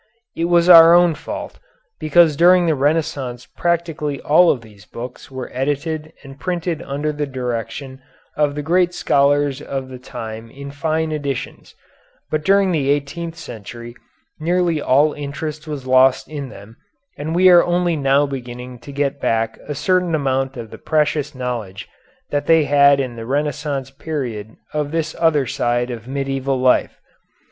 It was our own fault, because during the Renaissance practically all of these books were edited and printed under the direction of the great scholars of the time in fine editions, but during the eighteenth century nearly all interest was lost in them, and we are only now beginning to get back a certain amount of the precious knowledge that they had in the Renaissance period of this other side of medieval life.